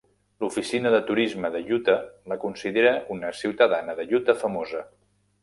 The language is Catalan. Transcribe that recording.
L'Oficina de Turisme de Utah la considera una "ciutadana de Utah famosa".